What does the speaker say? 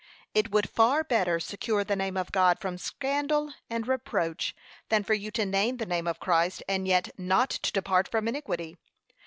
It would far better secure the name of God from scandal and reproach, than for you to name the name of Christ, and yet not to depart from iniquity.